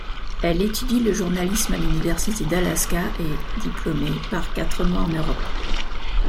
Elle étudie le journalisme à l'université d'Alaska et, diplômée, part quatre mois en Europe.